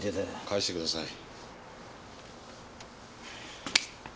返してください。